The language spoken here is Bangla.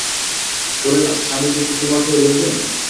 বলিলাম, স্বামীজি কি তোমাকে লইবেন?